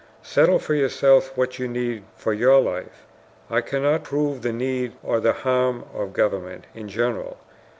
Settle for yourselves what you need for your life. I cannot prove the need or the harm of governments in general.